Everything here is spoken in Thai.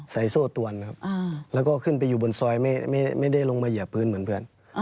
โซ่ตวนครับแล้วก็ขึ้นไปอยู่บนซอยไม่ได้ลงมาเหยียบพื้นเหมือนเพื่อน